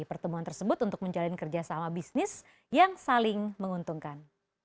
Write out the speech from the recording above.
pertemuan tersebut untuk menjalin kerjasama bisnis yang saling menguntungkan